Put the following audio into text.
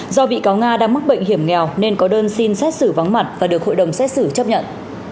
do bị cáo nga đang mắc bệnh hiểm nghèo nên có đơn xin xét xử vắng mặt và được hội đồng xét xử chấp nhận